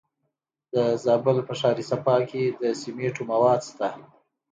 د زابل په شهر صفا کې د سمنټو مواد شته.